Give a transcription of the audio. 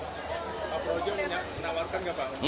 pak bumprojo menawarkan gak bangun